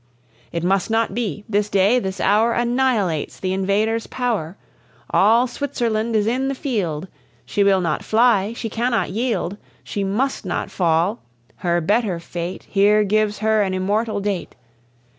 It must not be; this day, this hour, Annihilates the invader's power; All Switzerland is in the field; She will not fly, she cannot yield, She must not fall; her better fate Here gives her an immortal date.